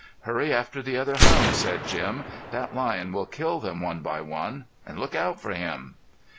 "Hurry after the other hounds," said Jim. "That lion will kill them one by one. An' look out for him!"